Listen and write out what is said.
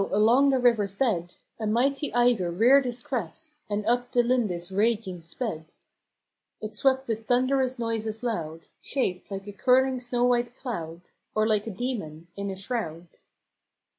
along the river's bed A mighty eygre reared his crest, And uppe the Lindis raging sped. 72 FROM QUEENS' GARDENS. It swept with thunderous noises loud; Shaped like a curling snow white cloud, Or like a demon in a shroud.